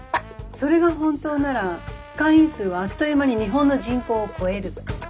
それが本当なら会員数はあっという間に日本の人口を超える。